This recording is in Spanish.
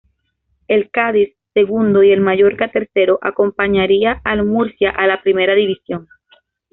El Cádiz, segundo y el Mallorca, tercero, acompañaría al Murcia a la Primera División.